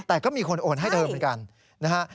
แต่ก็มีคนโอนให้เธอเหมือนกันนะฮะ